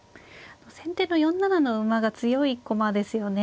先手の４七の馬が強い駒ですよね。